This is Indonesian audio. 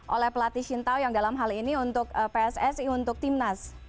oleh pelatih shin taoyong dalam hal ini untuk pssi untuk timnas